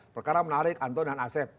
perkara menarik anton dan asep